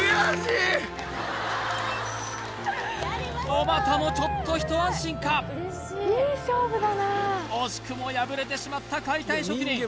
小俣もちょっとひと安心か惜しくも破れてしまった解体職人